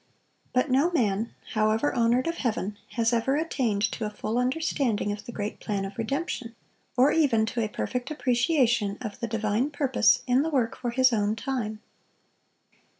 But no man, however honored of Heaven, has ever attained to a full understanding of the great plan of redemption, or even to a perfect appreciation of the divine purpose in the work for his own time.